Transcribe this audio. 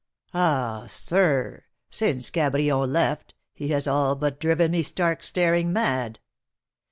Ah, sir, since Cabrion left, he has all but driven me stark staring mad!"